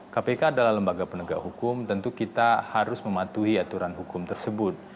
kpk adalah lembaga penegak hukum tentu kita harus mematuhi aturan hukum tersebut